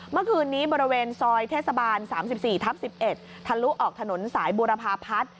เมื่อคืนนี้บริเวณซอยเทศบาล๓๔ทับ๑๑ทะลุออกถนนสายบูรพาพัฒน์